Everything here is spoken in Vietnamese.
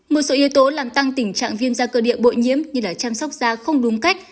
một số yếu tố làm tăng tình trạng viêm da cơ địa bội nhiễm như chăm sóc da không đúng cách